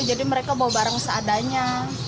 jadi mereka bawa barang seadanya